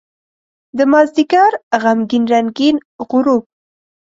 دمازدیګر غمګین رنګین غروب